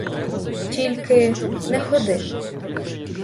Тільки — не ходи.